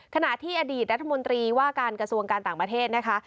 ขณะที่อดีตรัฐมนตรีว่าการกระทรวงการต่างประเทศนะคะ